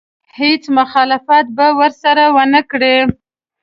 هېڅ مخالفت به ورسره ونه کړي.